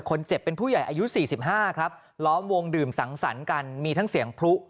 คนเจ็บเป็นผู้ใหญ่อายุ๔๕ครับล้อมวงดื่มสังสรรค์กันมีทั้งเสียงพลุ